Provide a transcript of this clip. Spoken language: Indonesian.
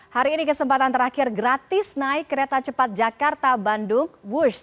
hari ini kesempatan terakhir gratis naik kereta cepat jakarta bandung wush